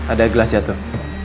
ada gelas jatuh